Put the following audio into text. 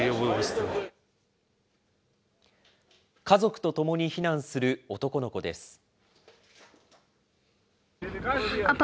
家族と共に避難する男の子です。